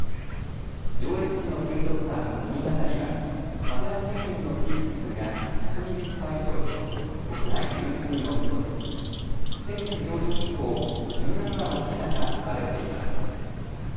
上越市の水族館、うみがたりはマゼランペンギンの飼育数が１２０羽以上と国内有数の規模で先月上旬以降、１７羽のひなが生まれています。